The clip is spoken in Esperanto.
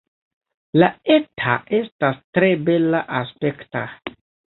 La eta estas tre bela-aspekta.